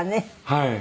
はい。